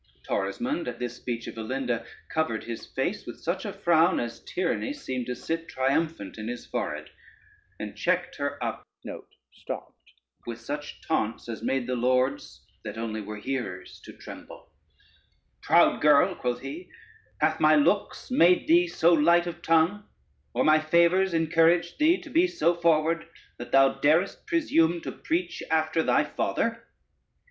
Torismond, at this speech of Alinda, covered his face with such a frown, as tyranny seemed to sit triumphant in his forehead, and checked her up with such taunts, as made the lords, that only were hearers, to tremble. [Footnote 1: stopped.] "Proud girl," quoth he, "hath my looks made thee so light of tongue, or my favors encouraged thee to be so forward, that thou darest presume to preach after thy father?